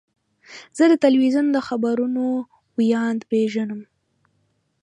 زه د تلویزیون د خبرونو ویاند پیژنم.